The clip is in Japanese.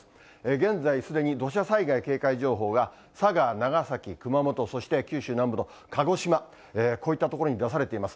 現在すでに土砂災害警戒情報が、佐賀、長崎、熊本、そして九州南部の鹿児島、こういった所に出されています。